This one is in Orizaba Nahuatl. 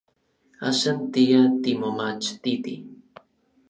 Axan tia timomachtiti.